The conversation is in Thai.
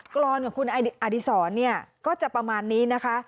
รอนของคุณอดีศรเนี่ยก็จะประมาณนี้นะคะ